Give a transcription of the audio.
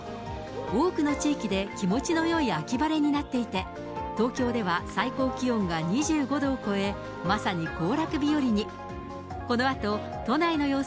多くの地域で気持ちのよい秋晴れになっていて、東京では最高気温が２５度を超え、こんにちは。